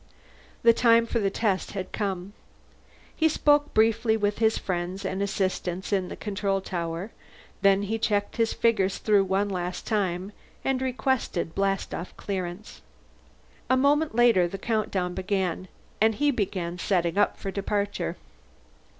The time for the test had come. He spoke briefly with his friends and assistants in the control tower; then he checked his figures through one last time and requested blastoff clearance. A moment later the count down began, and he began setting up for departure.